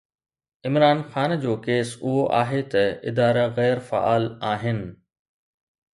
عمران خان جو ڪيس اهو آهي ته ادارا غير فعال آهن.